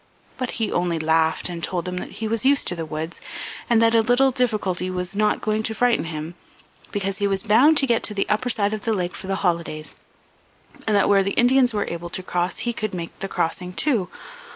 But he only laughed and told them that he was used to the woods and that a little difficulty was not going to frighten him, because he was bound to get to the upper side of the lake for the holidays, and that where the Indians were able to cross he could make the crossing too.